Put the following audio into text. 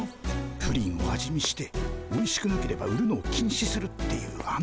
プリンを味見しておいしくなければ売るのを禁止するっていうあの。